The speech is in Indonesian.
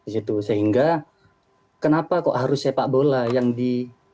sehingga kenapa kok harus sepak bola yang di